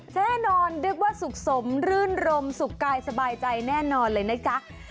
แน่นอนนึกว่าสุขสมรื่นรมสุขกายสบายใจแน่นอนเลยนะจ๊ะ